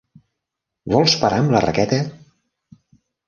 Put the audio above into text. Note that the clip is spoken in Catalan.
Vols parar amb la raqueta!